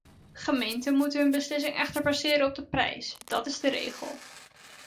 Gemeenten moeten hun beslissing echter baseren op de prijs, dat is de regel.